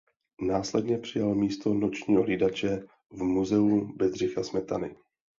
Následně přijal místo nočního hlídače v Muzeu Bedřicha Smetany.